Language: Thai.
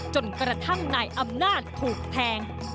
จนกระทั่งนายอำนาจถูกแทง